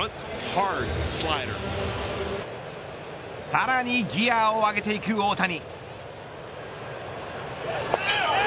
さらにギアを上げていく大谷。